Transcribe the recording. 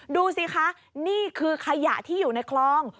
ดูสิคะนี่คือขยะที่อยู่ในคลอง